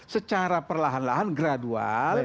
secara perlahan lahan gradual